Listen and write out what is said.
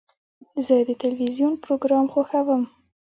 زه د تلویزیون پروګرام خوښوم.